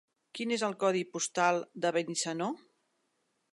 Quin és el codi postal de Benissanó?